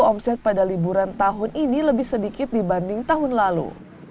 omset pada liburan tahun ini lebih sedikit dibanding tahun lalu